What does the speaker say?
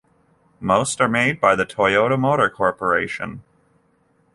Most are made by the Toyota Motor Corporation.